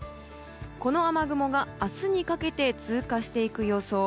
この雨雲が明日にかけて通過していく予想。